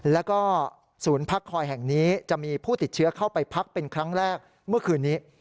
แล้วก็ศูนย์พักคอยแห่งนี้จะมีผู้ติดเชื้อเข้าไปพักเป็นครั้งแรกเมื่อคืนนี้